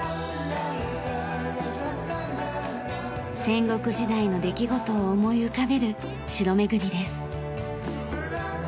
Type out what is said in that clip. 戦国時代の出来事を思い浮かべる城めぐりです。